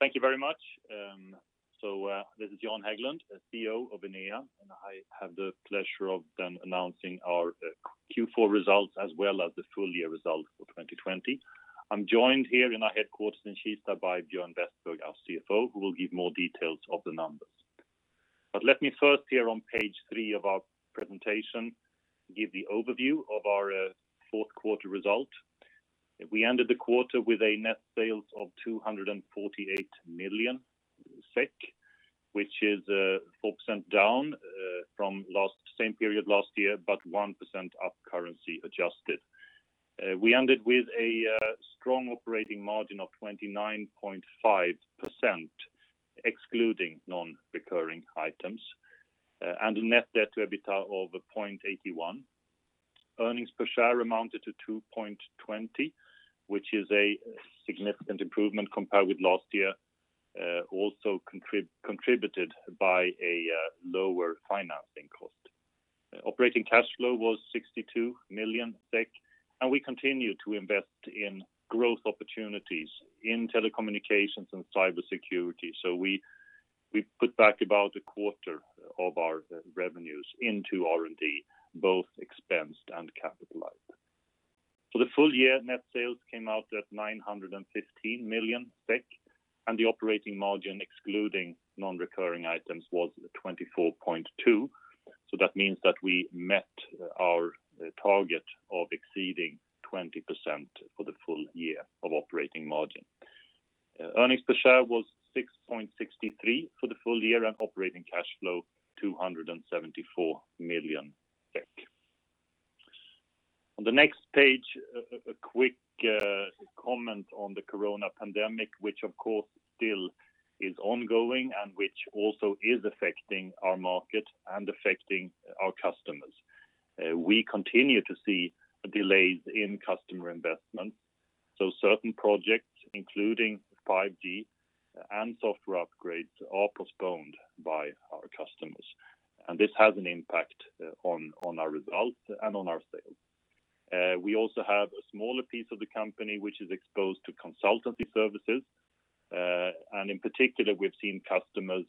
Thank you very much. This is Jan Häglund, CEO of Enea, and I have the pleasure of announcing our Q4 results as well as the full-year results for 2020. I'm joined here in our headquarters in Kista by Björn Westberg, our CFO, who will give more details of the numbers. Let me first here on page three of our presentation give the overview of our fourth quarter result. We ended the quarter with a net sales of 248 million SEK, which is 4% down from same period last year, but 1% up currency adjusted. We ended with a strong operating margin of 29.5%, excluding non-recurring items, and a net debt to EBITDA of 0.81. Earnings per share amounted to 2.20, which is a significant improvement compared with last year, also contributed by a lower financing cost. Operating cash flow was 62 million SEK, and we continue to invest in growth opportunities in telecommunications and cybersecurity. We put back about a quarter of our revenues into R&D, both expensed and capitalized. For the full year, net sales came out at 915 million, and the operating margin, excluding non-recurring items, was 24.2%. That means that we met our target of exceeding 20% for the full year of operating margin. Earnings per share was 6.63 for the full year and operating cash flow 274 million. On the next page, a quick comment on the coronavirus pandemic, which of course still is ongoing and which also is affecting our market and affecting our customers. We continue to see delays in customer investments, so certain projects, including 5G and software upgrades, are postponed by our customers. This has an impact on our results and on our sales. We also have a smaller piece of the company which is exposed to consultancy services. In particular, we've seen customers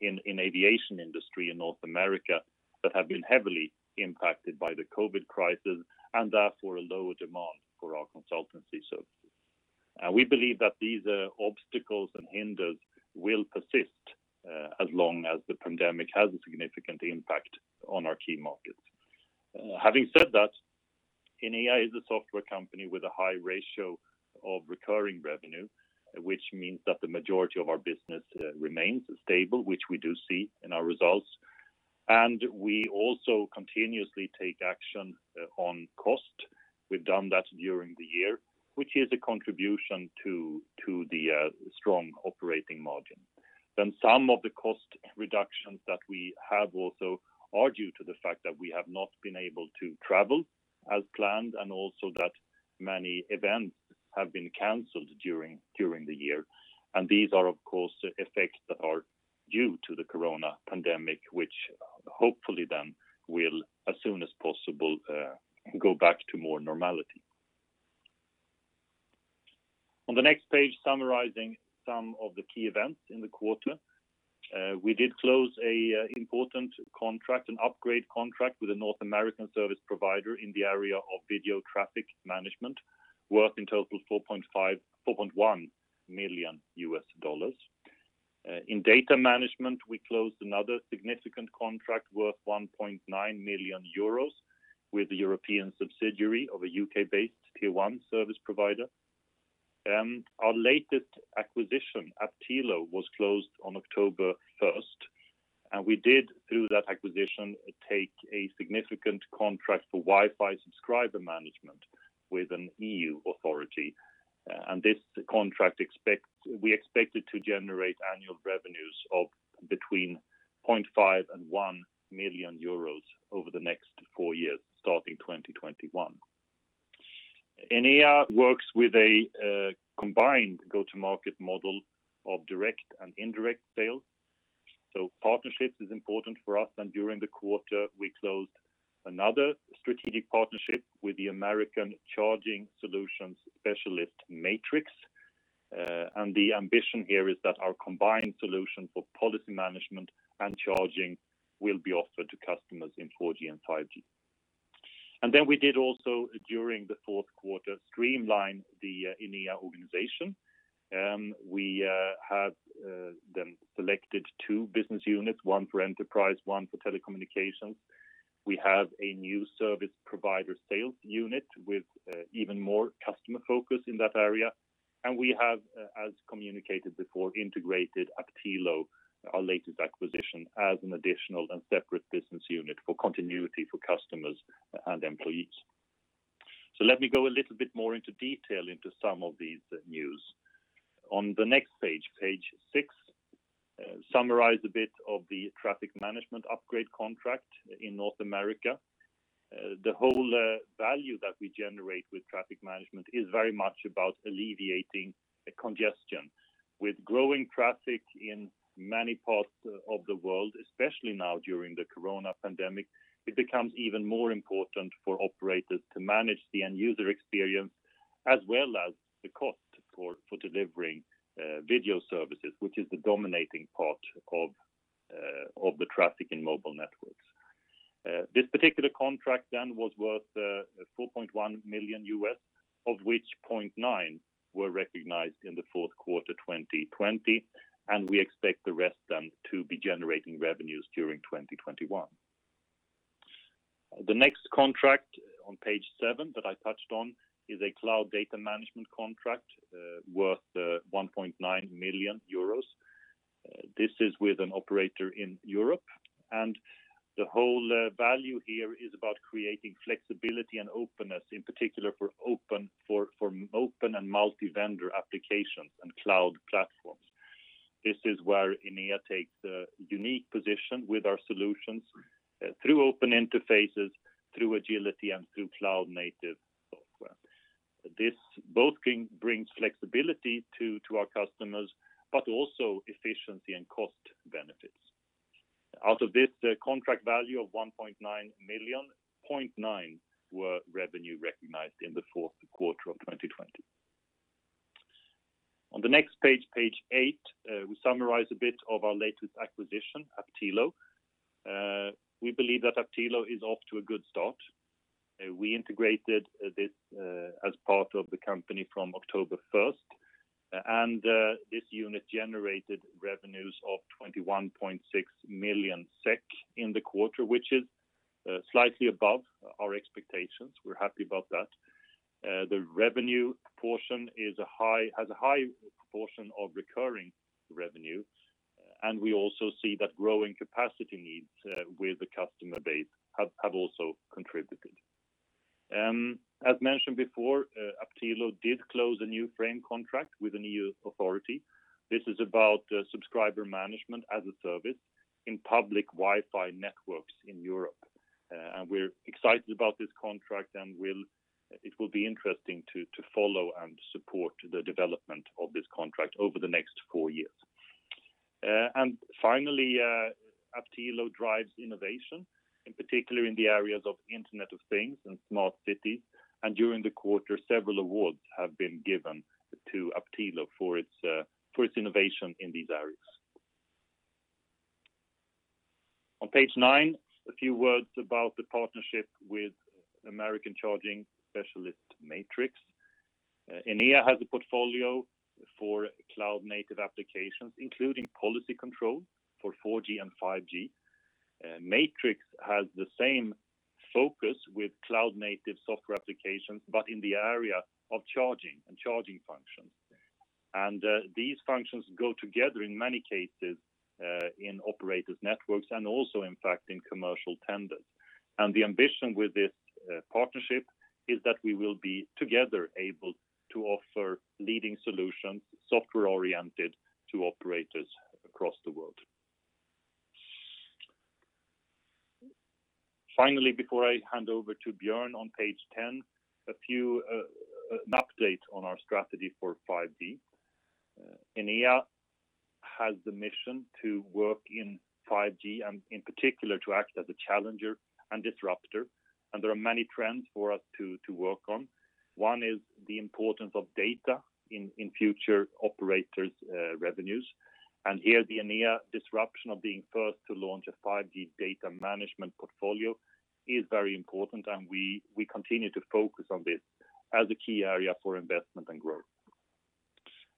in aviation industry in North America that have been heavily impacted by the COVID crisis and therefore a lower demand for our consultancy services. We believe that these obstacles and hinders will persist as long as the pandemic has a significant impact on our key markets. Having said that, Enea is a software company with a high ratio of recurring revenue, which means that the majority of our business remains stable, which we do see in our results. We also continuously take action on cost. We've done that during the year, which is a contribution to the strong operating margin. Some of the cost reductions that we have also are due to the fact that we have not been able to travel as planned and also that many events have been canceled during the year. These are, of course, effects that are due to the coronavirus pandemic, which hopefully then will, as soon as possible, go back to more normality. On the next page, summarizing some of the key events in the quarter. We did close an important contract, an upgrade contract with a North American service provider in the area of video traffic management, worth in total $4.1 million. In data management, we closed another significant contract worth 1.9 million euros with the European subsidiary of a U.K.-based Tier 1 service provider. Our latest acquisition, Aptilo, was closed on October 1st. We did, through that acquisition, take a significant contract for Wi-Fi subscriber management with an EU authority. This contract, we expect it to generate annual revenues of between 0.5 million and 1 million euros over the next four years, starting 2021. Enea works with a combined go-to-market model of direct and indirect sales. Partnerships is important for us, and during the quarter, we closed another strategic partnership with the American charging solutions specialist, MATRIXX. The ambition here is that our combined solution for policy management and charging will be offered to customers in 4G and 5G. We did also, during the fourth quarter, streamline the Enea organization. We have then selected two business units, one for enterprise, one for telecommunications. We have a new service provider sales unit with even more customer focus in that area. We have, as communicated before, integrated Aptilo, our latest acquisition, as an additional and separate business unit for continuity for customers and employees. Let me go a little bit more into detail into some of this news. On the next page six, summarize a bit of the traffic management upgrade contract in North America. The whole value that we generate with traffic management is very much about alleviating congestion. With growing traffic in many parts of the world, especially now during the COVID pandemic, it becomes even more important for operators to manage the end-user experience as well as the cost for delivering video services, which is the dominating part of the traffic in mobile networks. This particular contract then was worth $4.1 million, of which $0.9 million were recognized in the fourth quarter 2020. We expect the rest then to be generating revenues during 2021. The next contract on page seven that I touched on is a cloud data management contract worth 1.9 million euros. This is with an operator in Europe. The whole value here is about creating flexibility and openness, in particular for open and multi-vendor applications and cloud platforms. This is where Enea takes a unique position with our solutions through open interfaces, through agility, and through cloud-native software. This both brings flexibility to our customers, also efficiency and cost benefits. Out of this contract value of 1.9 million, 0.9 million were revenue recognized in the fourth quarter of 2020. On the next page eight, we summarize a bit of our latest acquisition, Aptilo. We believe that Aptilo is off to a good start. We integrated this as part of the company from October 1st, and this unit generated revenues of 21.6 million SEK in the quarter, which is slightly above our expectations. We're happy about that. The revenue portion has a high proportion of recurring revenue, and we also see that growing capacity needs with the customer base have also contributed. As mentioned before, Aptilo did close a new frame contract with an EU authority. This is about subscriber management as a service in public Wi-Fi networks in Europe. We're excited about this contract, and it will be interesting to follow and support the development of this contract over the next four years. Finally, Aptilo drives innovation, in particular in the areas of Internet of Things and smart cities. During the quarter, several awards have been given to Aptilo for its innovation in these areas. On page nine, a few words about the partnership with American charging specialist MATRIXX. Enea has a portfolio for cloud-native applications, including policy control for 4G and 5G. MATRIXX has the same focus with cloud-native software applications, but in the area of charging and charging functions. These functions go together in many cases in operators' networks and also, in fact, in commercial tenders. The ambition with this partnership is that we will be together able to offer leading solutions, software-oriented, to operators across the world. Before I hand over to Björn on page 10, an update on our strategy for 5G. Enea has the mission to work in 5G and in particular, to act as a challenger and disruptor. There are many trends for us to work on. One is the importance of data in future operators' revenues, and here the Enea disruption of being first to launch a 5G data management portfolio is very important, and we continue to focus on this as a key area for investment and growth.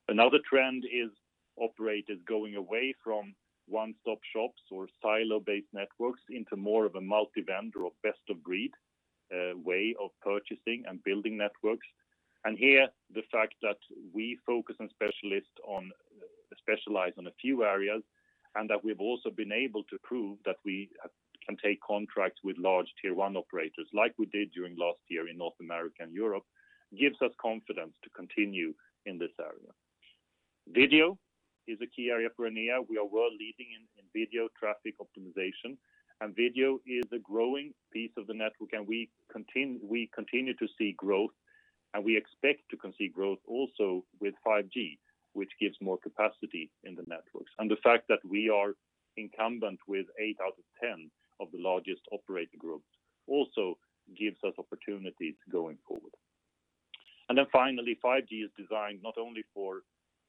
Another trend is operators going away from one-stop shops or silo-based networks into more of a multi-vendor or best-of-breed way of purchasing and building networks. Here, the fact that we focus and specialize in a few areas, and that we've also been able to prove that we can take contracts with large Tier 1 operators like we did during last year in North America and Europe, gives us confidence to continue in this area. Video is a key area for Enea. We are world-leading in video traffic optimization, video is a growing piece of the network. We continue to see growth, we expect to see growth also with 5G, which gives more capacity in the networks. The fact that we are incumbent with eight out of 10 of the largest operator groups also gives us opportunities going forward. Finally, 5G is designed not only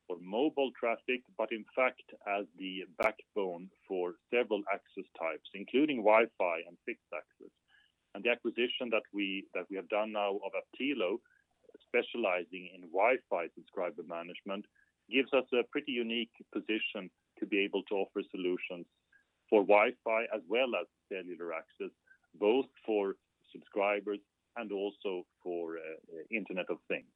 for mobile traffic but in fact as the backbone for several access types, including Wi-Fi and fixed access. The acquisition that we have done now of Aptilo, specializing in Wi-Fi subscriber management, gives us a pretty unique position to be able to offer solutions for Wi-Fi as well as cellular access, both for subscribers and also for Internet of Things.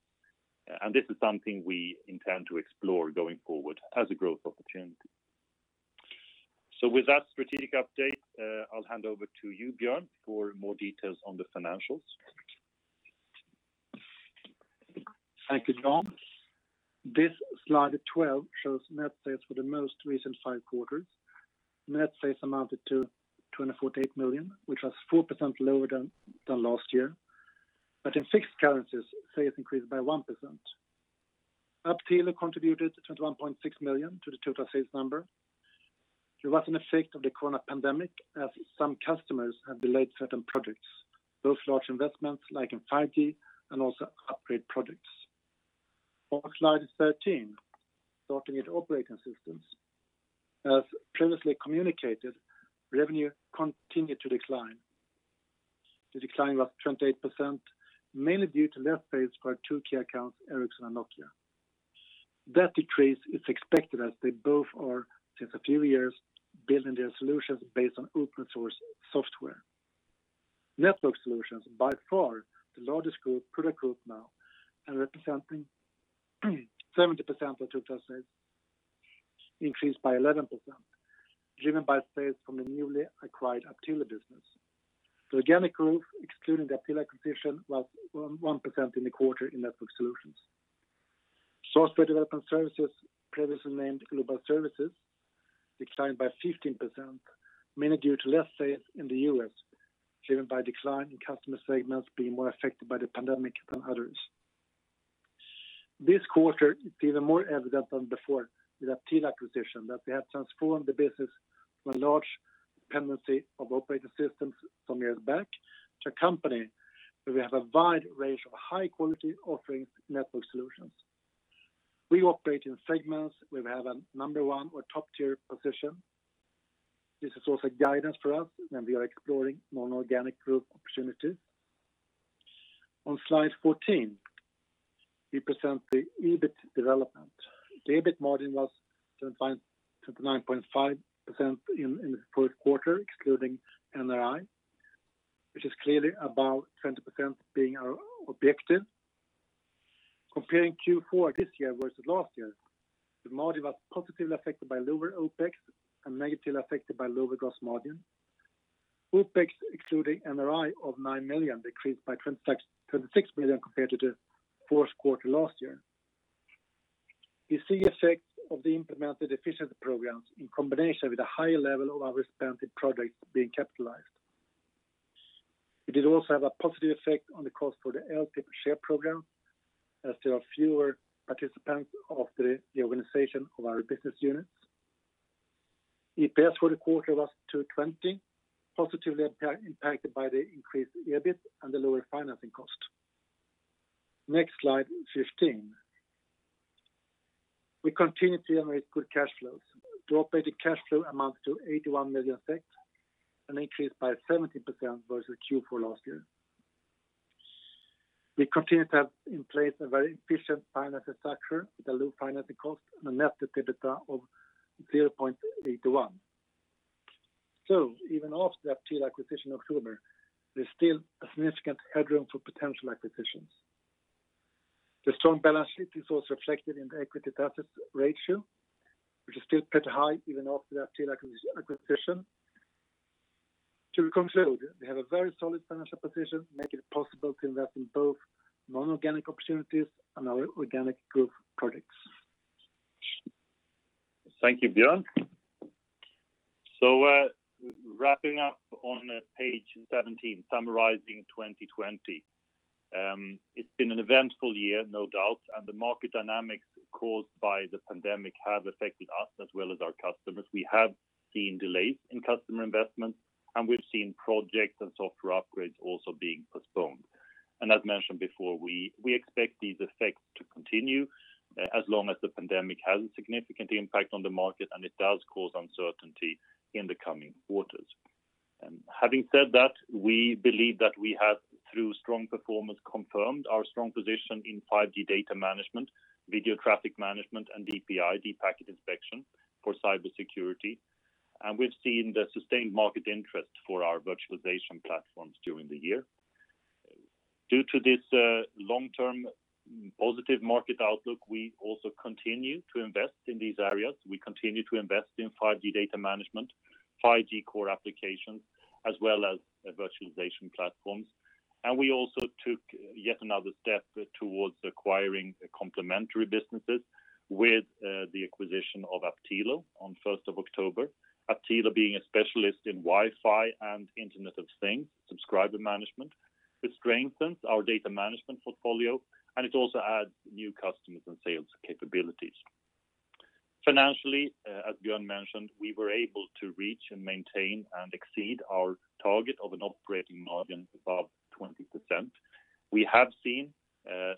This is something we intend to explore going forward as a growth opportunity. With that strategic update, I'll hand over to you, Björn, for more details on the financials. Thank you, Jan. This slide 12 shows net sales for the most recent five quarters. Net sales amounted to 248 million, which was 4% lower than last year. In fixed currencies, sales increased by 1%. Aptilo contributed 21.6 million to the total sales number. There was an effect of the COVID pandemic, as some customers have delayed certain projects, both large investments like in 5G and also upgrade projects. On slide 13, starting at operating systems. As previously communicated, revenue continued to decline. The decline was 28%, mainly due to less sales by two key accounts, Ericsson and Nokia. That decrease is expected as they both are, since a few years, building their solutions based on open source software. Network solutions, by far the largest group, product group now, and representing 70% of total sales, increased by 11%, driven by sales from the newly acquired Aptilo business. The organic growth, excluding the Aptilo acquisition, was 1% in the quarter in network solutions. Software development services, previously named global services, declined by 15%, mainly due to less sales in the U.S., driven by decline in customer segments being more affected by the pandemic than others. This quarter, it's even more evident than before with Aptilo acquisition that we have transformed the business from a large dependency of operating systems some years back to a company where we have a wide range of high-quality offerings network solutions. We operate in segments where we have a number one or top-tier position. This is also guidance for us when we are exploring non-organic growth opportunities. On slide 14, we present the EBIT development. The EBIT margin was 29.5% in the fourth quarter excluding NRI, which is clearly above 20% being our objective. Comparing Q4 this year versus last year, the margin was positively affected by lower OpEx and negatively affected by lower gross margin. OpEx excluding NRI of 9 million decreased by 26 million compared to the fourth quarter last year. You see effects of the implemented efficiency programs in combination with a high level of our expensive projects being capitalized. It did also have a positive effect on the cost for the LTIP share program, as there are fewer participants after the organization of our business units. EPS for the quarter was 2.20, positively impacted by the increased EBIT and the lower financing cost. Next slide, 15. We continue to generate good cash flows. The operating cash flow amounts to 81 million, an increase by 17% versus Q4 last year. We continue to have in place a very efficient financing structure with a low financing cost and a net debt to EBITDA of 0.81. Even after the Aptilo acquisition in October, there is still a significant headroom for potential acquisitions. The strong balance sheet is also reflected in the equity to assets ratio, which is still pretty high even after the Aptilo acquisition. To conclude, we have a very solid financial position, making it possible to invest in both non-organic opportunities and our organic growth projects. Thank you, Björn. Wrapping up on page 17, summarizing 2020. It's been an eventful year, no doubt, and the market dynamics caused by the pandemic have affected us as well as our customers. We have seen delays in customer investments, and we've seen projects and software upgrades also being postponed. As mentioned before, we expect these effects to continue as long as the pandemic has a significant impact on the market and it does cause uncertainty in the coming quarters. Having said that, we believe that we have, through strong performance, confirmed our strong position in 5G data management, video traffic management, and DPI, deep packet inspection for cybersecurity. We've seen the sustained market interest for our virtualization platforms during the year. Due to this long-term positive market outlook, we also continue to invest in these areas. We continue to invest in 5G data management, 5G core applications, as well as virtualization platforms. We also took yet another step towards acquiring complementary businesses with the acquisition of Aptilo on 1st of October. Aptilo being a specialist in Wi-Fi and Internet of Things subscriber management. This strengthens our data management portfolio, and it also adds new customers and sales capabilities. Financially, as Björn mentioned, we were able to reach and maintain and exceed our target of an operating margin above 20%. We have seen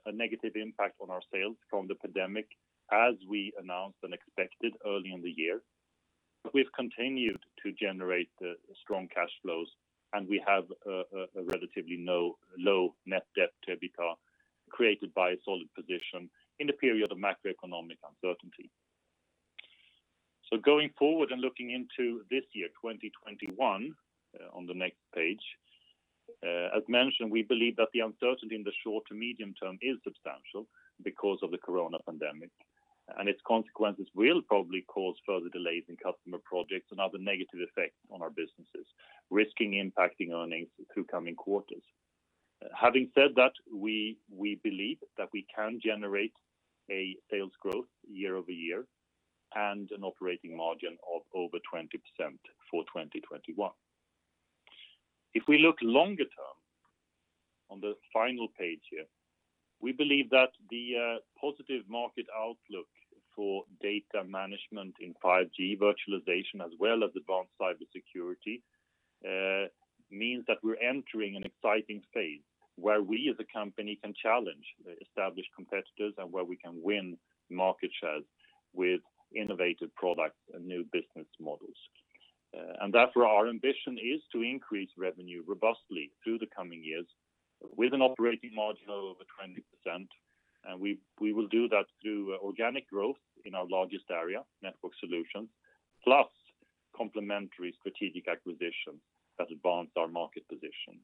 a negative impact on our sales from the pandemic, as we announced and expected early in the year. We've continued to generate strong cash flows, and we have a relatively low net debt to EBITDA created by a solid position in the period of macroeconomic uncertainty. Going forward and looking into this year, 2021, on the next page. As mentioned, we believe that the uncertainty in the short to medium term is substantial because of the coronavirus pandemic, its consequences will probably cause further delays in customer projects and other negative effects on our businesses, risking impacting earnings through coming quarters. Having said that, we believe that we can generate a sales growth year-over-year. An operating margin of over 20% for 2021. If we look longer term, on the final page here, we believe that the positive market outlook for data management in 5G virtualization, as well as advanced cybersecurity, means that we're entering an exciting phase, where we as a company can challenge the established competitors and where we can win market shares with innovative products and new business models. Therefore our ambition is to increase revenue robustly through the coming years with an operating margin of over 20%. We will do that through organic growth in our largest area, network solutions. Plus complementary strategic acquisitions that advance our market position.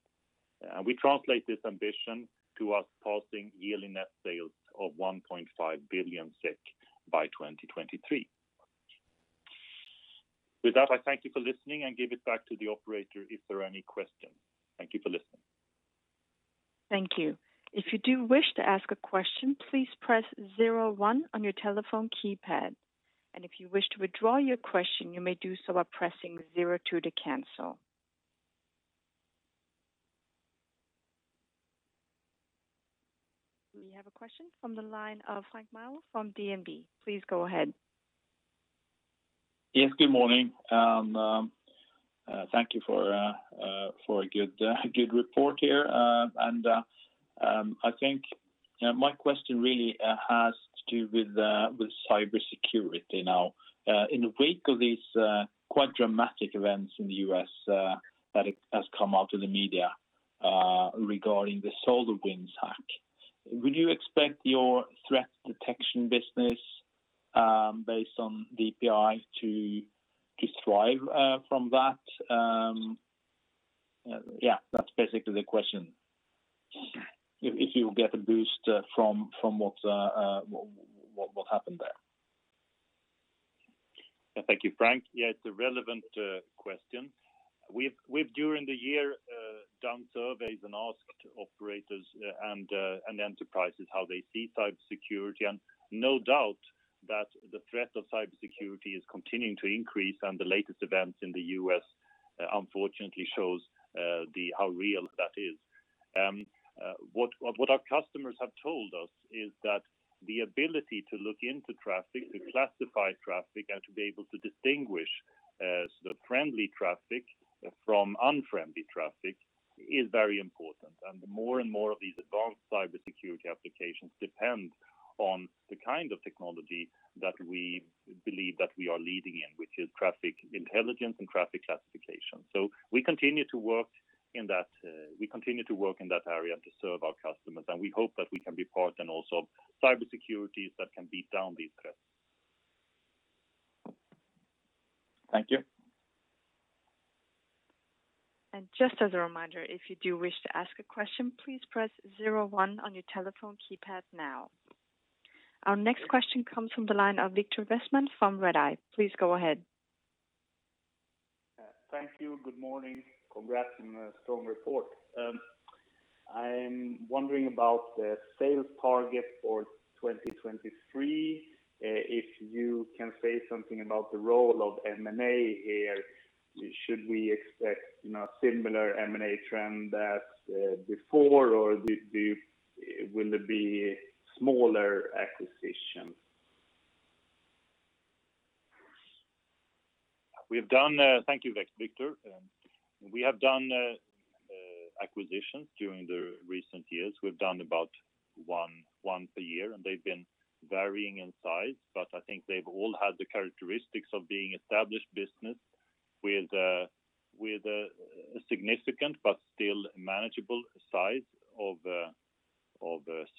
We translate this ambition to us passing yearly net sales of 1.5 billion SEK by 2023. With that, I thank you for listening and give it back to the operator if there are any questions. Thank you for listening. Thank you. If you do wish to ask a question, please press zero one on your telephone keypad. If you wish to withdraw your question, you may do so by pressing 02 to cancel. We have a question from the line of Frank Maaø from DNB. Please go ahead. Yes, good morning. Thank you for a good report here. I think my question really has to do with cybersecurity now. In the wake of these quite dramatic events in the U.S. that has come out in the media regarding the SolarWinds hack, would you expect your threat detection business based on DPI to thrive from that? Yeah, that's basically the question. If you'll get a boost from what happened there. Thank you, Frank. Yeah, it's a relevant question. We've during the year done surveys and asked operators and enterprises how they see cybersecurity. No doubt that the threat of cybersecurity is continuing to increase and the latest events in the U.S. unfortunately shows how real that is. What our customers have told us is that the ability to look into traffic, to classify traffic, and to be able to distinguish the friendly traffic from unfriendly traffic is very important. More and more of these advanced cybersecurity applications depend on the kind of technology that we believe that we are leading in, which is traffic intelligence and traffic classification. We continue to work in that area to serve our customers, and we hope that we can be part in also cybersecurities that can beat down these threats. Thank you. Just as a reminder, if you do wish to ask a question, please press 01 on your telephone keypad now. Our next question comes from the line of Viktor Westman from Redeye. Please go ahead. Thank you. Good morning. Congrats on a strong report. I'm wondering about the sales target for 2023. If you can say something about the role of M&A here. Should we expect similar M&A trend that before, or will it be smaller acquisitions? Thank you, Viktor. We have done acquisitions during the recent years. We've done about one per year, they've been varying in size. I think they've all had the characteristics of being established business with a significant but still manageable size of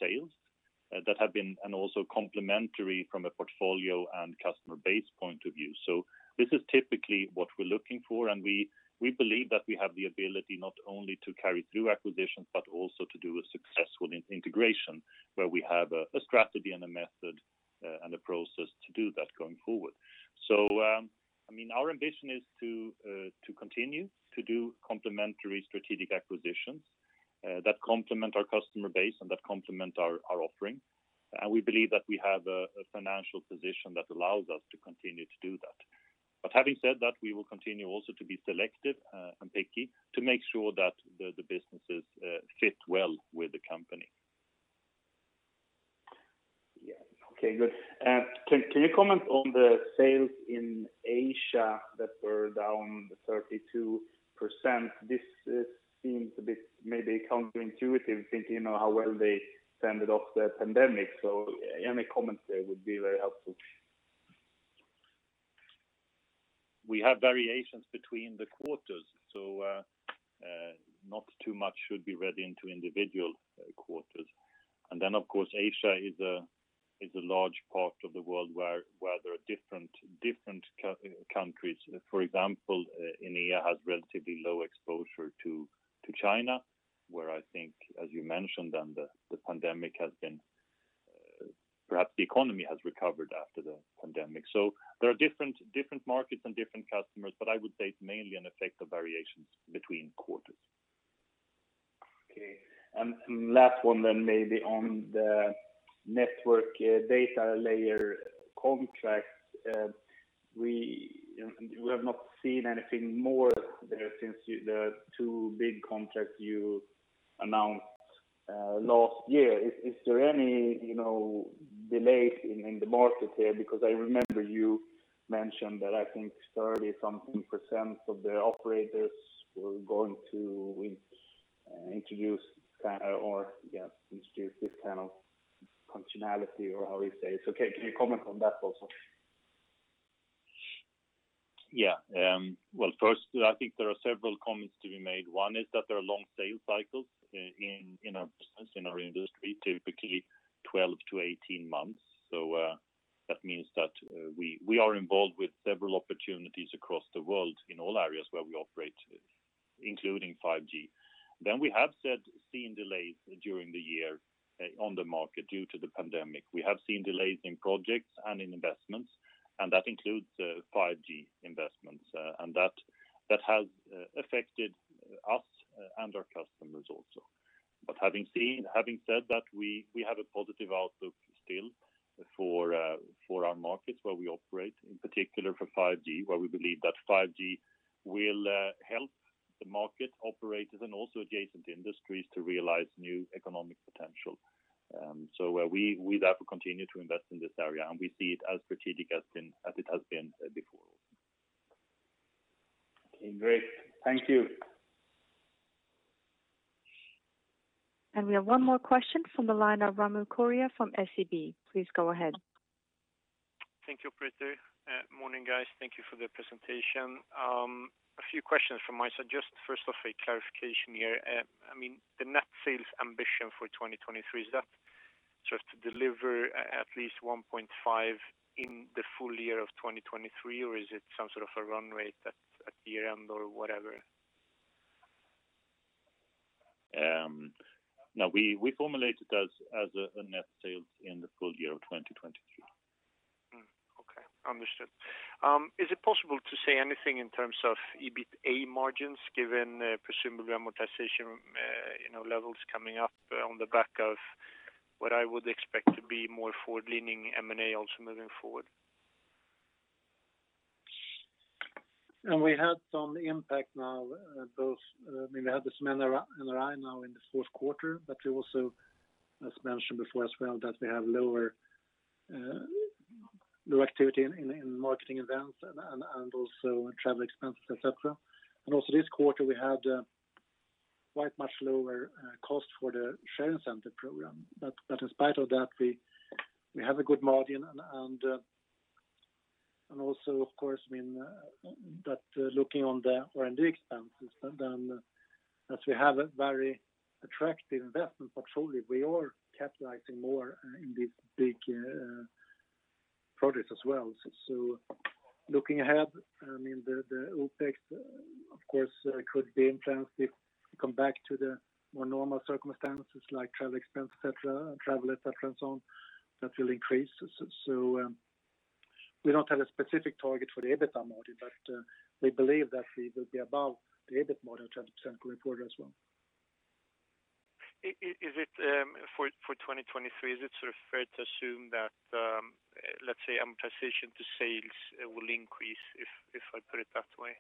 sales that have been and also complementary from a portfolio and customer base point of view. This is typically what we're looking for, we believe that we have the ability not only to carry through acquisitions, but also to do a successful integration where we have a strategy and a method, and a process to do that going forward. Our ambition is to continue to do complementary strategic acquisitions that complement our customer base and that complement our offering. We believe that we have a financial position that allows us to continue to do that. Having said that, we will continue also to be selective and picky to make sure that the businesses fit well with the company. Yeah. Okay, good. Can you comment on the sales in Asia that were down 32%? This seems a bit maybe counterintuitive thinking how well they fended off the pandemic. Any comments there would be very helpful. We have variations between the quarters. Not too much should be read into individual quarters. Of course, Asia is a large part of the world where there are different countries. For example, Enea has relatively low exposure to China, where I think, as you mentioned, perhaps the economy has recovered after the pandemic. There are different markets and different customers, but I would say it's mainly an effect of variations between quarters. Last one maybe on the network data layer contracts. We have not seen anything more there since the two big contracts you announced last year. Is there any delays in the market there? I remember you mentioned that I think 30%-something of the operators were going to introduce this kind of functionality or how you say. Can you comment on that also? Well, first I think there are several comments to be made. One is that there are long sales cycles in our business, in our industry, typically 12-18 months. That means that we are involved with several opportunities across the world in all areas where we operate, including 5G. We have seen delays during the year on the market due to the pandemic. We have seen delays in projects and in investments, and that includes 5G investments. That has affected us and our customers also. Having said that, we have a positive outlook still for our markets where we operate, in particular for 5G, where we believe that 5G will help the market operators and also adjacent industries to realize new economic potential. We therefore continue to invest in this area, and we see it as strategic as it has been before. Okay, great. Thank you. We have one more question from the line of Ramon Correa from SEB. Please go ahead. Thank you, Pritti. Morning, guys. Thank you for the presentation. A few questions from my side. Just first off, a clarification here. The net sales ambition for 2023, is that just to deliver at least 1.5 in the full year of 2023, or is it some sort of a run rate at the year end or whatever? No. We formulate it as a net sales in the full year of 2023. Okay. Understood. Is it possible to say anything in terms of EBITA margins given presumed amortization levels coming up on the back of what I would expect to be more forward-leaning M&A also moving forward? We had some impact now. We had this NRI now in this fourth quarter. We also, as mentioned before as well, that we have lower activity in marketing events and also travel expenses, et cetera. Also this quarter, we had quite much lower cost for the share incentive program. In spite of that, we have a good margin. Also of course, looking on the R&D expenses, as we have a very attractive investment portfolio, we are capitalizing more in these big projects as well. Looking ahead, the OpEx of course could be influenced if we come back to the more normal circumstances like travel expense, et cetera, and travel, et cetera, and so on. That will increase. We don't have a specific target for the EBITDA margin, but we believe that we will be above the EBIT margin that is currently reported as well. For 2023, is it fair to assume that let's say amortization to sales will increase, if I put it that way?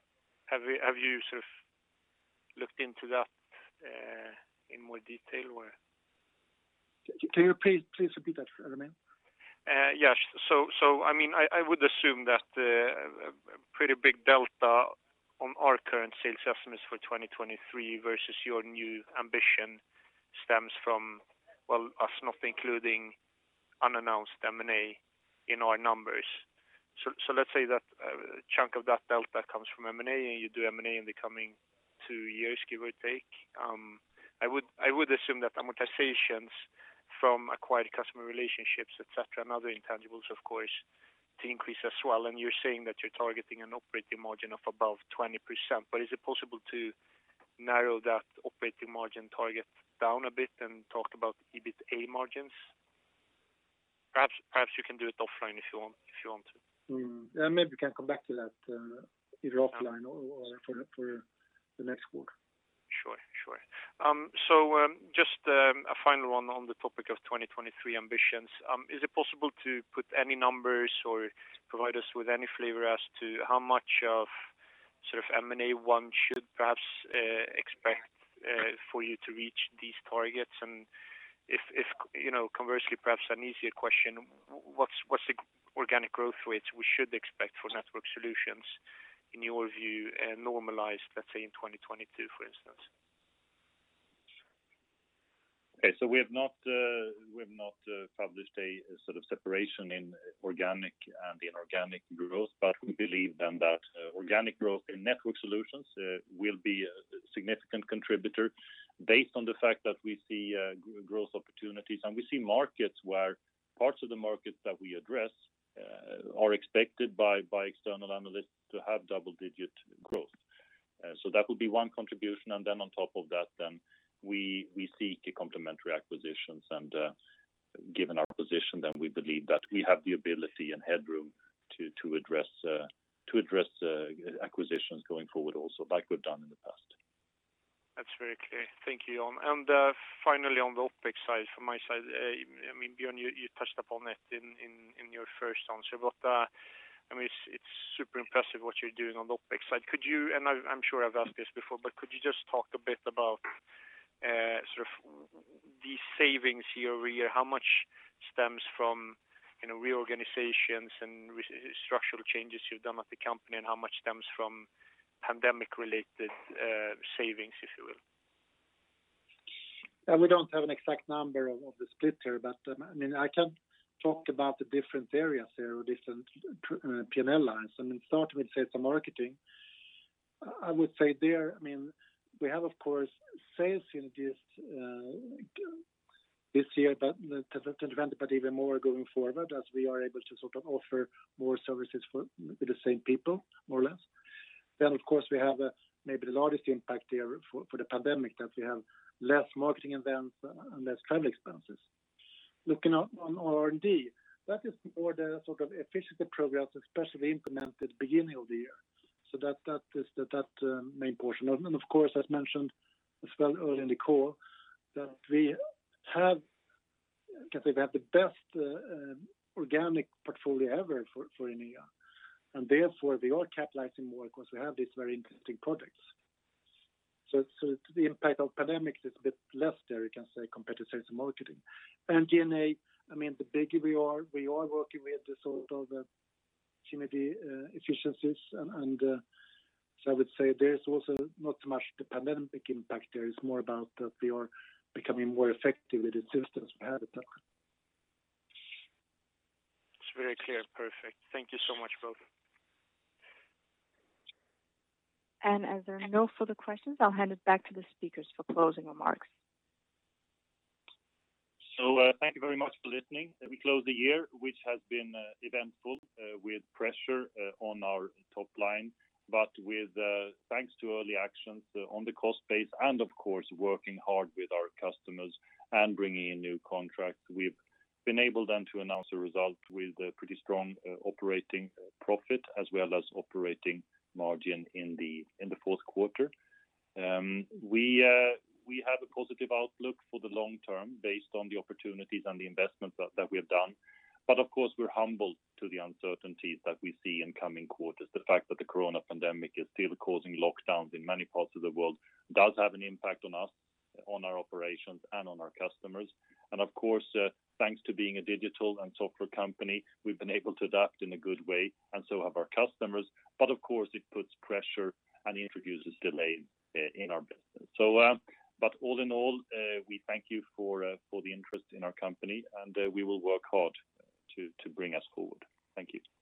Have you looked into that in more detail or? Can you please repeat that, Ramon? Yes. I would assume that a pretty big delta on our current sales estimates for 2023 versus your new ambition stems from us not including unannounced M&A in our numbers. Let's say that a chunk of that delta comes from M&A, and you do M&A in the coming two years, give or take. I would assume that amortizations from acquired customer relationships, et cetera, and other intangibles, of course, to increase as well. You're saying that you're targeting an operating margin of above 20%, but is it possible to narrow that operating margin target down a bit and talk about EBITA margins? Perhaps you can do it offline if you want to. Maybe we can come back to that either offline or for the next quarter. Sure. Just a final one on the topic of 2023 ambitions. Is it possible to put any numbers or provide us with any flavor as to how much of M&A one should perhaps expect for you to reach these targets? Conversely, perhaps an easier question, what's the organic growth rate we should expect for network solutions in your view normalized, let's say in 2022, for instance? We have not published a sort of separation in organic and inorganic growth. We believe then that organic growth in network solutions will be a significant contributor based on the fact that we see growth opportunities. We see markets where parts of the markets that we address are expected by external analysts to have double-digit growth. That will be one contribution. Then on top of that then, we seek to complementary acquisitions. Given our position then we believe that we have the ability and headroom to address acquisitions going forward also like we've done in the past. That's very clear. Thank you, Jan. Finally, on the OpEx side from my side, Björn, you touched upon it in your first answer, but it's super impressive what you're doing on the OpEx side. I'm sure I've asked this before, but could you just talk a bit about these savings year-over-year? How much stems from reorganizations and structural changes you've done at the company, and how much stems from pandemic-related savings, if you will? We don't have an exact number of the split here, but I can talk about the different areas here or different P&L lines. Start with sales and marketing. I would say there, we have, of course, sales synergies this year, but even more going forward as we are able to offer more services for the same people, more or less. Of course, we have maybe the largest impact there for the pandemic, that we have less marketing events and less travel expenses. Looking at R&D, that is more the efficiency programs, especially implemented beginning of the year. That main portion. Of course, as mentioned as well early in the call, that we have the best organic portfolio ever for Enea, and therefore we are capitalizing more because we have these very interesting projects. The impact of pandemic is a bit less there, you can say, compared to sales and marketing. G&A, the bigger we are, we are working with the sort of synergy efficiencies, I would say there's also not much the pandemic impact there. It's more about that we are becoming more effective with the systems we have. It's very clear. Perfect. Thank you so much, both. As there are no further questions, I'll hand it back to the speakers for closing remarks. Thank you very much for listening. We close the year, which has been eventful with pressure on our top line, but with thanks to early actions on the cost base and, of course, working hard with our customers and bringing in new contracts. We've been able then to announce a result with pretty strong operating profit as well as operating margin in the fourth quarter. Of course, we're humble to the uncertainties that we see in coming quarters. The fact that the Corona pandemic is still causing lockdowns in many parts of the world does have an impact on us, on our operations, and on our customers. Of course, thanks to being a digital and software company, we've been able to adapt in a good way, and so have our customers. Of course, it puts pressure and introduces delay in our business. All in all, we thank you for the interest in our company, and we will work hard to bring us forward. Thank you.